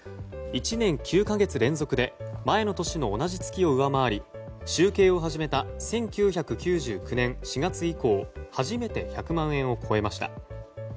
１年９か月連続で前の年の同じ月を上回り集計を始めた１９９９年４月以降初めて１００万円を超えました。